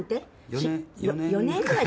４年４年ぐらい。